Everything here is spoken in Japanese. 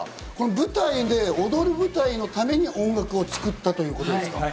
舞台で、踊る舞台のために音楽を作ったということですか？